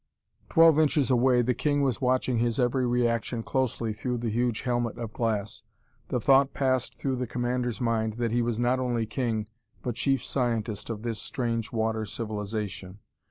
Twelve inches away the king was watching his every reaction closely through the huge helmet of glass. The thought passed through the commander's mind that he was not only king, but chief scientist of this strange water civilization.